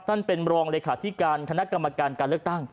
เป็นรองเลขาธิการคณะกรรมการการเลือกตั้ง